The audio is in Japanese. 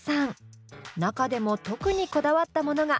中でも特にこだわったものが。